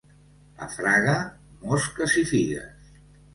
A Fraga? Mosques i figues.